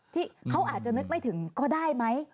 ที่เขาอาจจะนึกไม่ถึงก็ได้ไหม